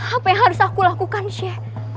apa yang harus aku lakukan chef